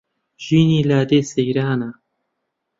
ژینی لادێ سەیرانە